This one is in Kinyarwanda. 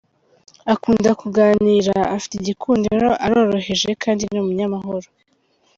Akunda kuganira, afite igikundiro, aroroheje kandi ni umunyamahoro.